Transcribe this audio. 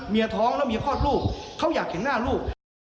ท้องแล้วเมียคลอดลูกเขาอยากเห็นหน้าลูก